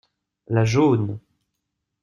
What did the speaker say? La jaune.